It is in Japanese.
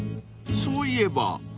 そういえば］